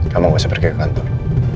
kamu gak usah pergi ke kantor